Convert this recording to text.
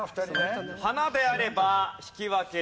「花」であれば引き分けです。